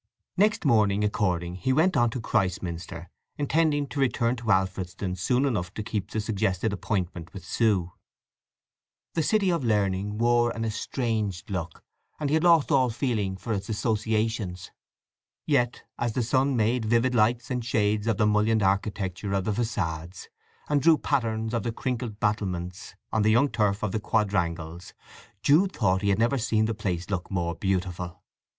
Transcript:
Next morning, according, he went on to Christminster, intending to return to Alfredston soon enough to keep the suggested appointment with Sue. The city of learning wore an estranged look, and he had lost all feeling for its associations. Yet as the sun made vivid lights and shades of the mullioned architecture of the façades, and drew patterns of the crinkled battlements on the young turf of the quadrangles, Jude thought he had never seen the place look more beautiful.